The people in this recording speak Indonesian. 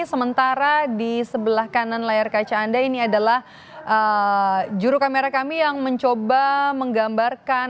sementara di sebelah kanan layar kaca anda ini adalah juru kamera kami yang mencoba menggambarkan